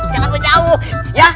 jangan berjauh ya